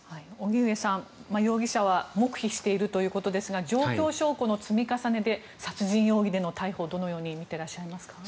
荻上さん、容疑者は黙秘しているということですが状況証拠の積み重ねで殺人容疑での逮捕を、どのように見ていらっしゃいますか。